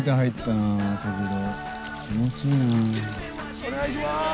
お願いしまーす。